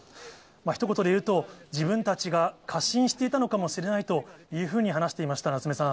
ひと言で言うと、自分たちが過信していたのかもしれないというふうに話していまし